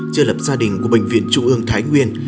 chưa lập gia đình của bệnh viện trung ương thái nguyên